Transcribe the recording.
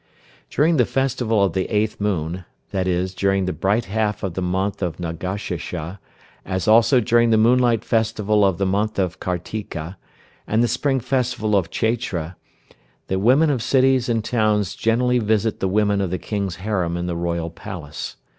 During the festival of the eighth moon, i.e., during the bright half of the month of Nargashirsha, as also during the moonlight festival of the month of Kartika, and the spring festival of Chaitra, the women of cities and towns generally visit the women of the King's harem in the royal palace.